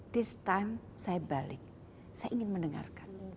this time saya balik saya ingin mendengarkan